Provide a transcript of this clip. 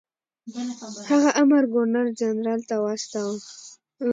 هغه امر ګورنر جنرال ته واستاوه.